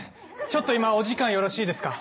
ちょっと今お時間よろしいですか？